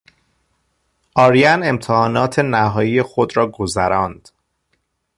آرین امتحانات نهایی خود را گذراند.